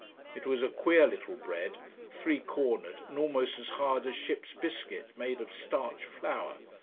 It was a queer little bread three cornered, and almost as hard as ships biscuit, made of starch flour.